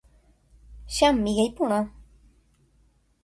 Che amiga iporã.